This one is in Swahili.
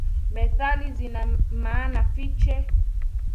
Methali zina maana fiche